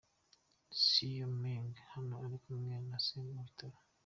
Xiao Meng hano yari kumwe na se mu bitaro.